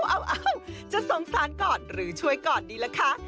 เอ้าจะสงสารก่อนหรือช่วยก่อนดีล่ะคะ